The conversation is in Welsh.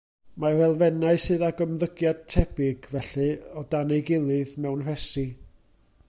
Mae'r elfennau sydd ag ymddygiad tebyg, felly, o dan ei gilydd, mewn rhesi.